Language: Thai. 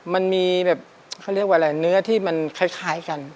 มันมีแบบเขาเรียกว่าอะไรเนื้อที่มันคล้ายกัน